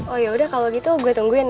oh yaudah kalau gitu gue tungguin ya